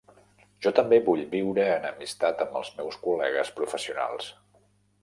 Jo també vull viure en amistat amb els meus col·legues professionals.